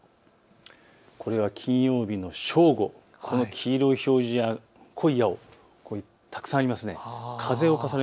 これは金曜日の正午、この黄色い表示や濃い青、たくさんありますね。